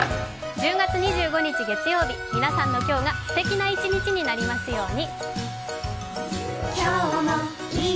１０月２５日、皆さんの今日がすてきな一日になりますように。